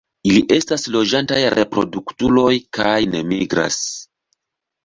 Ili estas loĝantaj reproduktuloj kaj ne migras.